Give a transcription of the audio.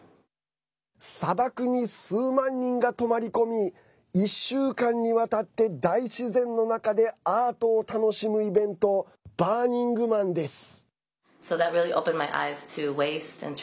砂漠に数万人が泊まりこみ１週間にわたって大自然の中でアートを楽しむイベントバーニングマンです。